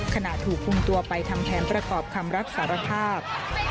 ขณะถูกคุมตัวไปทำแผนประกอบคำรับสารภาพ